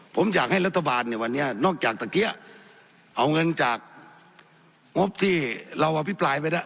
ผมอยากให้รัฐบาลเนี่ยวันนี้นอกจากตะเกี้ยเอาเงินจากงบที่เราอภิปรายไปแล้ว